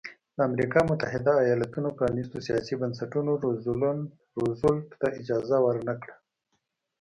د امریکا متحده ایالتونو پرانیستو سیاسي بنسټونو روزولټ ته اجازه ورنه کړه.